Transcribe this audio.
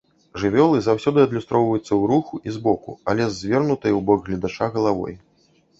Жывёлы заўсёды адлюстроўваюцца ў руху і збоку, але з звернутай у бок гледача галавой.